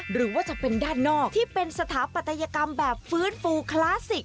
หรือว่าจะเป็นด้านนอกที่เป็นสถาปัตยกรรมแบบฟื้นฟูคลาสสิก